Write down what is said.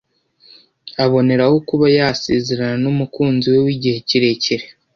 aboneraho kuba yasezerana n’umukunzi we w’igihe kirekire